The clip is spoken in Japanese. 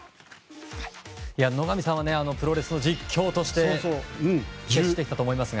野上さんはプロレスの実況としてやってきたと思いますが。